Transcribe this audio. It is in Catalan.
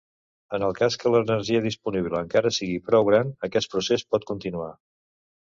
En el cas que l'energia disponible encara sigui prou gran aquest procés pot continuar.